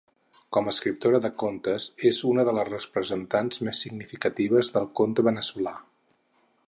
Com a escriptora de contes és una de les representants més significatives del conte veneçolà.